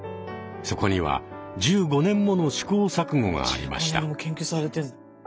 そこには１５年もの試行錯誤がありました。